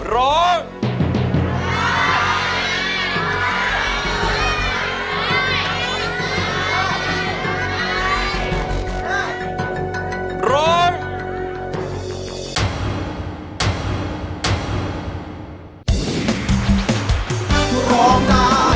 ร้อง